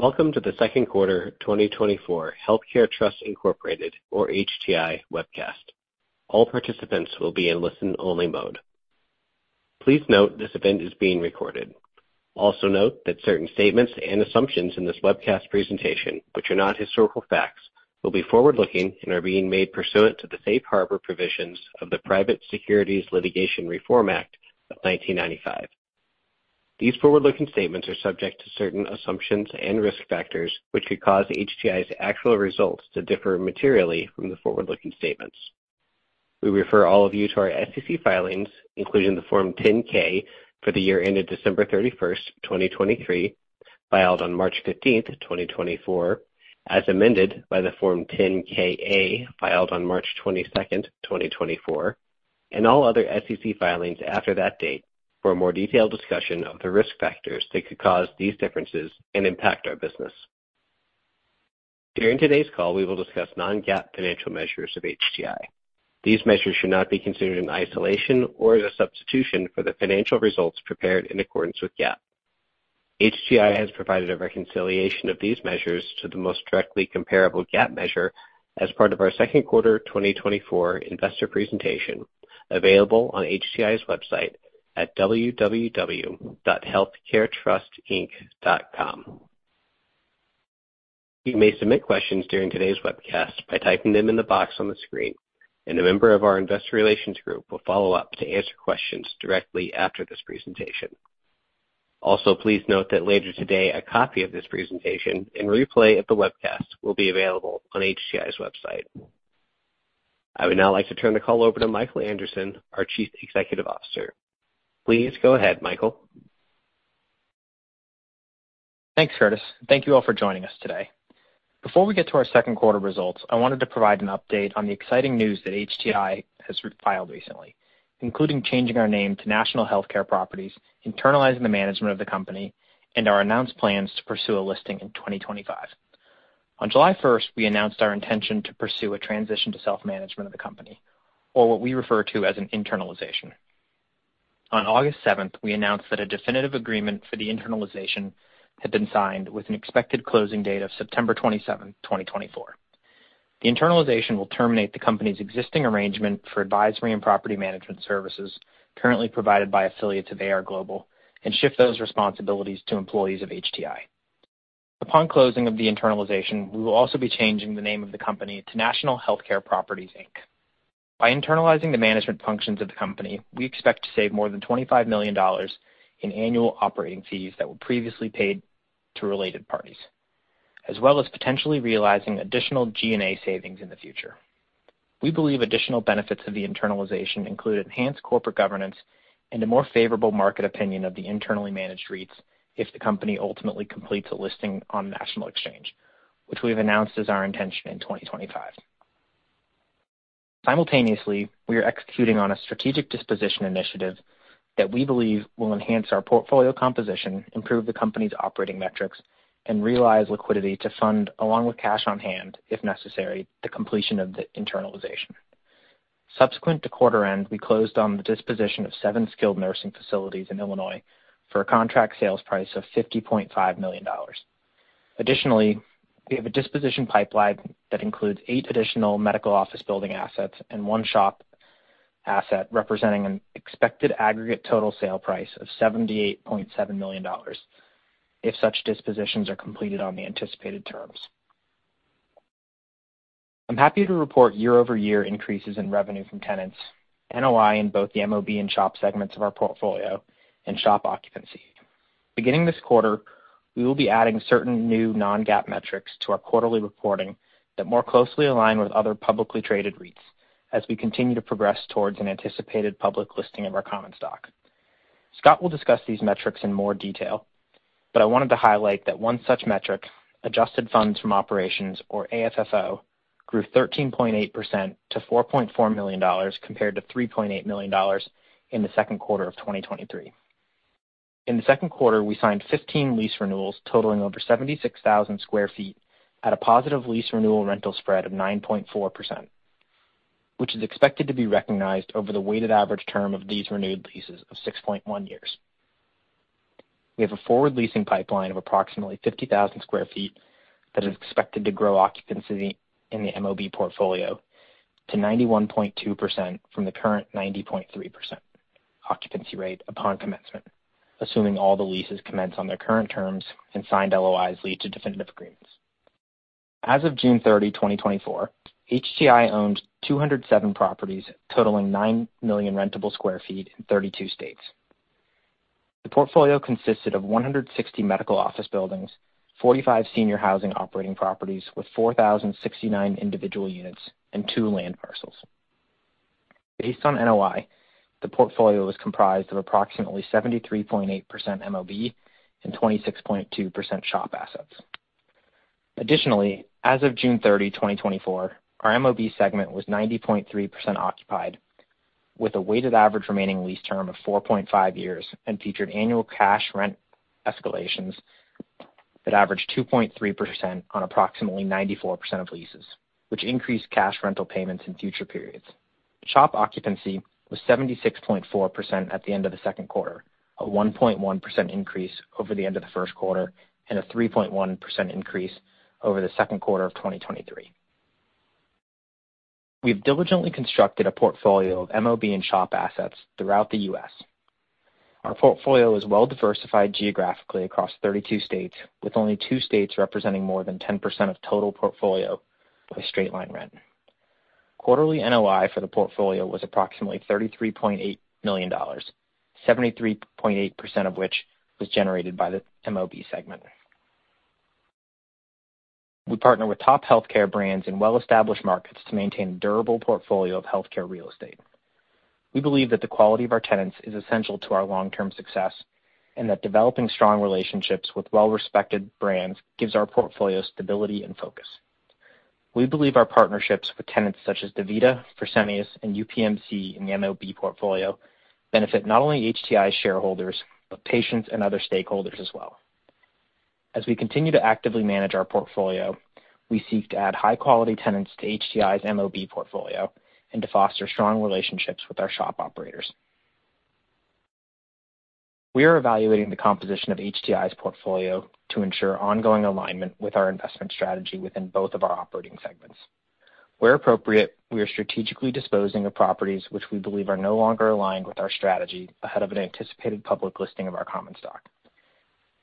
Welcome to the second quarter 2024 Healthcare Trust, Inc., or HTI webcast. All participants will be in listen-only mode. Please note this event is being recorded. Also note that certain statements and assumptions in this webcast presentation, which are not historical facts, will be forward-looking and are being made pursuant to the Safe Harbor provisions of the Private Securities Litigation Reform Act of 1995. These forward-looking statements are subject to certain assumptions and risk factors, which could cause HTI's actual results to differ materially from the forward-looking statements. We refer all of you to our SEC filings, including the Form 10-K for the year ended December 31st, 2023, filed on March 15th, 2024, as amended by the Form 10-K/A filed on March 22nd, 2024, and all other SEC filings after that date for a more detailed discussion of the risk factors that could cause these differences and impact our business. During today's call, we will discuss non-GAAP financial measures of HTI. These measures should not be considered in isolation or as a substitution for the financial results prepared in accordance with GAAP. HTI has provided a reconciliation of these measures to the most directly comparable GAAP measure as part of our second quarter 2024 investor presentation, available on HTI's website at www.healthcaretrustinc.com. You may submit questions during today's webcast by typing them in the box on the screen, and a member of our investor relations group will follow up to answer questions directly after this presentation. Also, please note that later today, a copy of this presentation and replay of the webcast will be available on HTI's website. I would now like to turn the call over to Michael Anderson, our Chief Executive Officer. Please go ahead, Michael. Thanks, Curtis. Thank you all for joining us today. Before we get to our second quarter results, I wanted to provide an update on the exciting news that HTI has filed recently, including changing our name to National Healthcare Properties, internalizing the management of the company, our announced plans to pursue a listing in 2025. On July 1st, we announced our intention to pursue a transition to self-management of the company, or what we refer to as an internalization. On August 7th, we announced that a definitive agreement for the internalization had been signed with an expected closing date of September 27th, 2024. The internalization will terminate the company's existing arrangement for advisory and property management services currently provided by affiliates of AR Global and shift those responsibilities to employees of HTI. Upon closing of the internalization, we will also be changing the name of the company to National Healthcare Properties, Inc. By internalizing the management functions of the company, we expect to save more than $25 million in annual operating fees that were previously paid to related parties, as well as potentially realizing additional G&A savings in the future. We believe additional benefits of the internalization include enhanced corporate governance and a more favorable market opinion of the internally managed REITs if the company ultimately completes a listing on the National Exchange, which we've announced is our intention in 2025. Simultaneously, we are executing on a strategic disposition initiative that we believe will enhance our portfolio composition, improve the company's operating metrics, and realize liquidity to fund, along with cash on hand, if necessary, the completion of the internalization. Subsequent to quarter end, we closed on the disposition of seven skilled nursing facilities in Illinois for a contract sales price of $50.5 million. Additionally, we have a disposition pipeline that includes eight additional medical office building assets and one SHOP asset representing an expected aggregate total sale price of $78.7 million if such dispositions are completed on the anticipated terms. I'm happy to report YoY increases in revenue from tenants, NOI in both the MOB and SHOP segments of our portfolio, and SHOP occupancy. Beginning this quarter, we will be adding certain new non-GAAP metrics to our quarterly reporting that more closely align with other publicly traded REITs as we continue to progress towards an anticipated public listing of our common stock. Scott will discuss these metrics in more detail, but I wanted to highlight that one such metric, adjusted funds from operations or AFFO, grew 13.8% to $4.4 million compared to $3.8 million in the second quarter of 2023. In the second quarter, we signed 15 lease renewals totaling over 76,000 sq ft at a positive lease renewal rental spread of 9.4%, which is expected to be recognized over the weighted average term of these renewed leases of 6.1 years. We have a forward leasing pipeline of approximately 50,000 sq ft that is expected to grow occupancy in the MOB portfolio to 91.2% from the current 90.3% occupancy rate upon commencement, assuming all the leases commence on their current terms and signed LOIs lead to definitive agreements. As of June 30th, 2024, HTI owned 207 properties totaling 9 million rentable square feet in 32 states. The portfolio consisted of 160 medical office buildings, 45 senior housing operating properties with 4,069 individual units, and two land parcels. Based on NOI, the portfolio was comprised of approximately 73.8% MOB and 26.2% SHOP assets. Additionally, as of June 30th, 2024, our MOB segment was 90.3% occupied with a weighted average remaining lease term of 4.5 years and featured annual cash rent escalations that averaged 2.3% on approximately 94% of leases, which increased cash rental payments in future periods. SHOP occupancy was 76.4% at the end of the second quarter, a 1.1% increase over the end of the first quarter and a 3.1% increase over the second quarter of 2023. We've diligently constructed a portfolio of MOB and SHOP assets throughout the U.S. Our portfolio is well diversified geographically across 32 states, with only two states representing more than 10% of total portfolio by straight-line rent. Quarterly NOI for the portfolio was approximately $33.8 million, 73.8% of which was generated by the MOB segment. We partner with top healthcare brands in well-established markets to maintain a durable portfolio of healthcare real estate. We believe that the quality of our tenants is essential to our long-term success, and that developing strong relationships with well-respected brands gives our portfolio stability and focus. We believe our partnerships with tenants such as DaVita, Fresenius, and UPMC in the MOB portfolio benefit not only HTI shareholders, but patients and other stakeholders as well. As we continue to actively manage our portfolio, we seek to add high-quality tenants to HTI's MOB portfolio and to foster strong relationships with our SHOP operators. We are evaluating the composition of HTI's portfolio to ensure ongoing alignment with our investment strategy within both of our operating segments. Where appropriate, we are strategically disposing of properties which we believe are no longer aligned with our strategy ahead of an anticipated public listing of our common stock.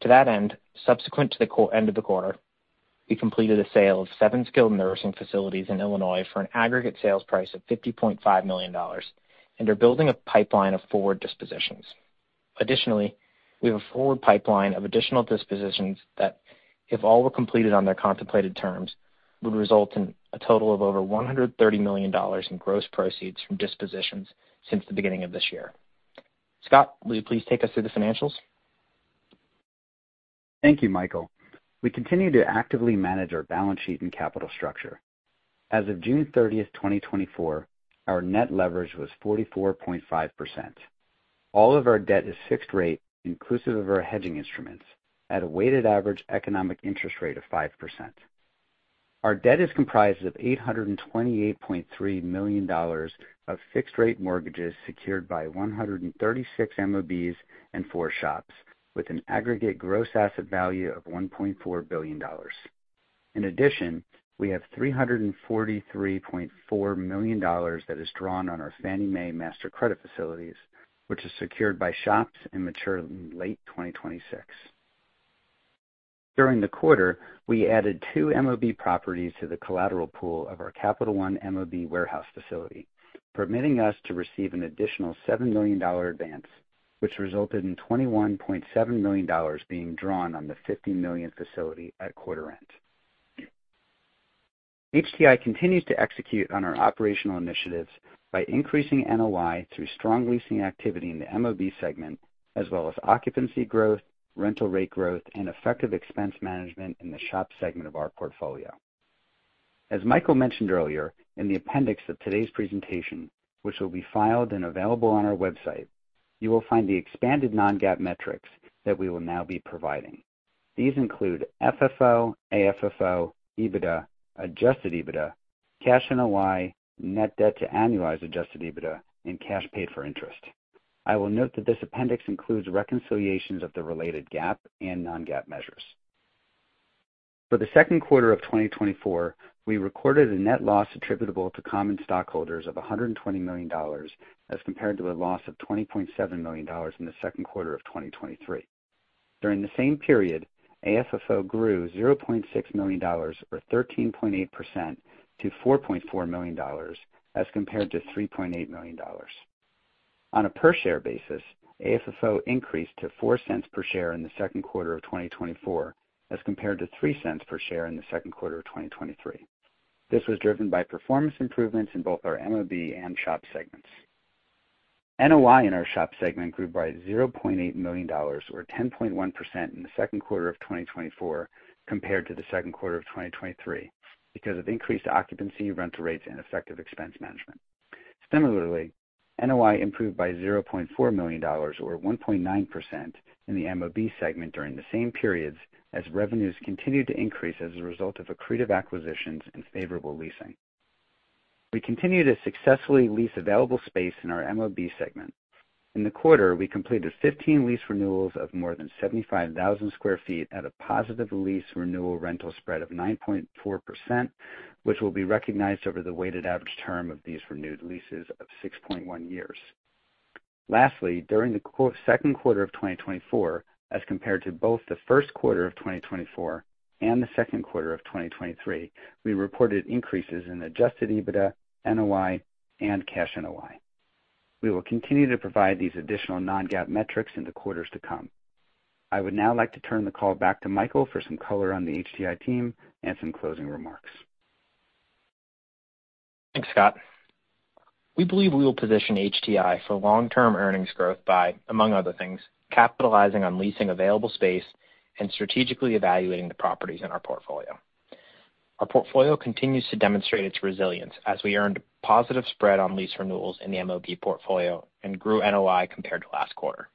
To that end, subsequent to the end of the quarter, we completed a sale of seven skilled nursing facilities in Illinois for an aggregate sales price of $50.5 million and are building a pipeline of forward dispositions. Additionally, we have a forward pipeline of additional dispositions that, if all were completed on their contemplated terms, would result in a total of over $130 million in gross proceeds from dispositions since the beginning of this year. Scott, will you please take us through the financials? Thank you, Michael. We continue to actively manage our balance sheet and capital structure. As of June 30th, 2024, our net leverage was 44.5%. All of our debt is fixed rate, inclusive of our hedging instruments, at a weighted average economic interest rate of 5%. Our debt is comprised of $828.3 million of fixed-rate mortgages secured by 136 MOBs and four SHOPS, with an aggregate gross asset value of $1.4 billion. In addition, we have $343.4 million that is drawn on our Fannie Mae master credit facilities, which is secured by SHOPS and mature in late 2026. During the quarter, we added two MOB properties to the collateral pool of our Capital One MOB warehouse facility, permitting us to receive an additional $7 million advance, which resulted in $21.7 million being drawn on the $50 million facility at quarter end. HTI continues to execute on our operational initiatives by increasing NOI through strong leasing activity in the MOB segment, as well as occupancy growth, rental rate growth, and effective expense management in the SHOP segment of our portfolio. As Michael mentioned earlier, in the appendix of today's presentation, which will be filed and available on our website, you will find the expanded non-GAAP metrics that we will now be providing. These include FFO, AFFO, EBITDA, Adjusted EBITDA, cash NOI, net debt to annualize Adjusted EBITDA, and cash paid for interest. I will note that this appendix includes reconciliations of the related GAAP and non-GAAP measures. For the second quarter of 2024, we recorded a net loss attributable to common stockholders of $120 million as compared to a loss of $20.7 million in the second quarter of 2023. During the same period, AFFO grew $0.6 million, or 13.8%, to $4.4 million, as compared to $3.8 million. On a per-share basis, AFFO increased to $0.04 per share in the second quarter of 2024 as compared to $0.03 per share in the second quarter of 2023. This was driven by performance improvements in both our MOB and SHOP segments. NOI in our SHOP segment grew by $0.8 million, or 10.1%, in the second quarter of 2024 compared to the second quarter of 2023 because of increased occupancy, rental rates, and effective expense management. Similarly, NOI improved by $0.4 million, or 1.9%, in the MOB segment during the same periods as revenues continued to increase as a result of accretive acquisitions and favorable leasing. We continue to successfully lease available space in our MOB segment. In the quarter, we completed 15 lease renewals of more than 75,000 sq ft at a positive lease renewal rental spread of 9.4%, which will be recognized over the weighted average term of these renewed leases of 6.1 years. Lastly, during the second quarter of 2024, as compared to both the first quarter of 2024 and the second quarter of 2023, we reported increases in Adjusted EBITDA, NOI, and cash NOI. We will continue to provide these additional non-GAAP metrics in the quarters to come. I would now like to turn the call back to Michael for some color on the HTI team and some closing remarks. Thanks, Scott. We believe we will position HTI for long-term earnings growth by, among other things, capitalizing on leasing available space and strategically evaluating the properties in our portfolio. Our portfolio continues to demonstrate its resilience as we earned a positive spread on lease renewals in the MOB portfolio and grew NOI compared to last quarter.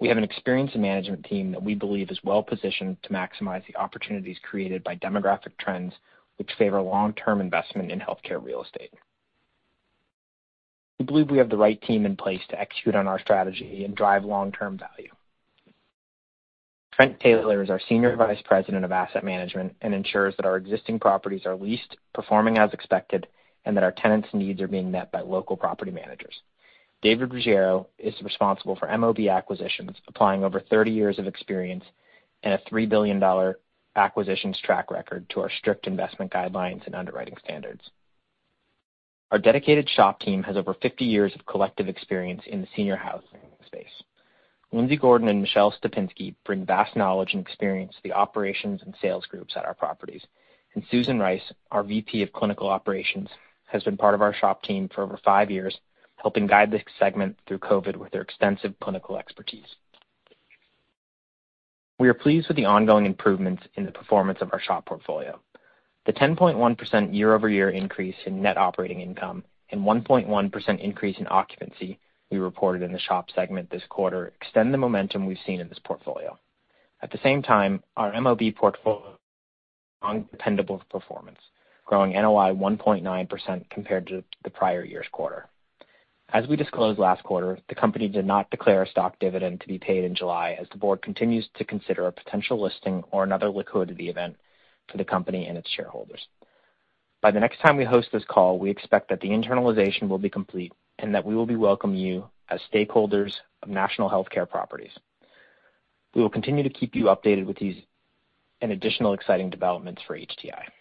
We have an experienced management team that we believe is well positioned to maximize the opportunities created by demographic trends which favor long-term investment in healthcare real estate. We believe we have the right team in place to execute on our strategy and drive long-term value. Trent Taylor is our Senior Vice President of Asset Management and ensures that our existing properties are leased, performing as expected, and that our tenants' needs are being met by local property managers. David Ruggiero is responsible for MOB acquisitions, applying over 30 years of experience and a $3 billion acquisitions track record to our strict investment guidelines and underwriting standards. Our dedicated SHOP team has over 50 years of collective experience in the senior housing space. Lindsay Gordon and Michelle Stepinsky bring vast knowledge and experience to the operations and sales groups at our properties. Susan Rice, our VP of Clinical Operations, has been part of our SHOP team for over five years, helping guide the segment through COVID with her extensive clinical expertise. We are pleased with the ongoing improvements in the performance of our SHOP portfolio. The 10.1% YoY increase in net operating income and 1.1% increase in occupancy we reported in the SHOP segment this quarter extend the momentum we've seen in this portfolio. At the same time, our MOB portfolio on dependable performance, growing NOI 1.9% compared to the prior year's quarter. As we disclosed last quarter, the company did not declare a stock dividend to be paid in July as the board continues to consider a potential listing or another liquidity event for the company and its shareholders. By the next time we host this call, we expect that the internalization will be complete and that we will be welcoming you as stakeholders of National Healthcare Properties. We will continue to keep you updated with these and additional exciting developments for HTI.